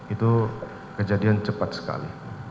itu kejadian cepat sekali